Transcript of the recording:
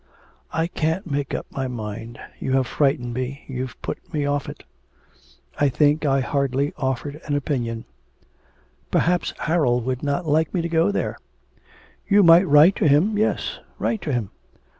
'I can't make up my mind. You have frightened me, you've put me off it.' 'I think I hardly offered an opinion.' 'Perhaps Harold would not like me to go there.' 'You might write to him. Yes, write to him.'